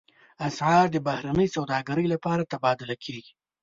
اسعار د بهرنۍ سوداګرۍ لپاره تبادله کېږي.